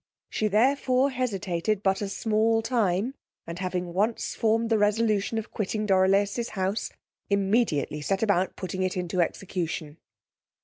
She therefore hesitated but a small time, and having once formed the resolution of quitting Dorilaus's house, immediately set about putting it into execution.